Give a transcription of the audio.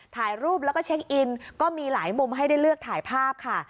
ถ่ายรูปแล้วก็เช็คอินก็มีหลายมุมให้ได้เลือกถ่ายภาพค่ะ